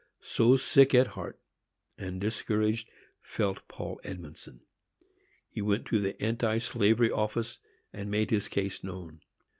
So sick at heart and discouraged felt Paul Edmondson. He went to the Anti Slavery Office, and made his case known.